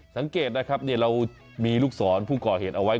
สังเกตนะครับเรามีลูกศรผู้ก่อเหตุเอาไว้